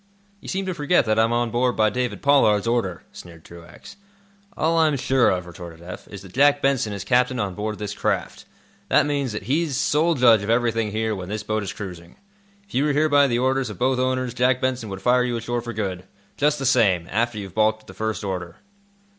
"You seem to forget that I'm on board by David Pollard's order," sneered Truax. "All I am sure of," retorted Eph, "is that Jack Benson is captain on board this craft. That means that he's sole judge of everything here when this boat is cruising. If you were here by the orders of both owners, Jack Benson would fire you ashore for good, just the same, after you've balked at the first order."